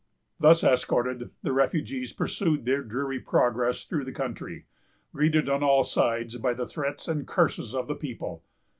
Thus escorted, the refugees pursued their dreary progress through the country, greeted on all sides by the threats and curses of the people.